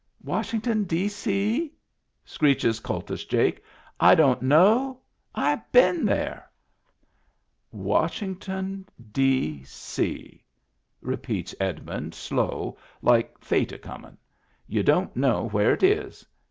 " Washington, D.C ?" screeches Kultus Jake. " I don't know ? I been there !" "Washington, D.C.," repeats Edmund slow, like Fate a comin'. "You don't know where it is."